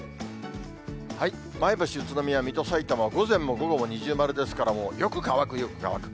前橋、宇都宮、水戸、さいたまは午前も午後も二重丸ですから、もうよく乾く、よく乾く。